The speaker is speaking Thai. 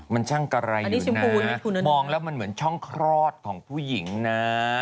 มันช่างกระไรอยู่นะมองแล้วมันเหมือนช่องคลอดของผู้หญิงนะ